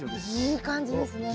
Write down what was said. いい感じですね。